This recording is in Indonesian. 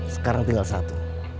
sekarang tinggal satu